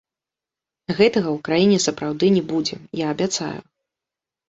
Гэтага ў краіне сапраўды не будзе, я абяцаю.